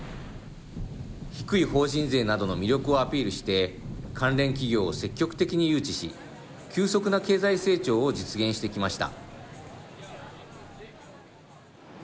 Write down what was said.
低い法人税などの魅力をアピールして関連企業を積極的に誘致し急速な経済成長を実現してきました。